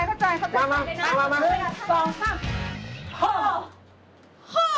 เฮ่อเฮ่อเจ๊เจ๊จะมาก็ได้เจ๊